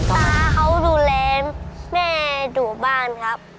ตาเขาดูแลแม่อยู่บ้านครับ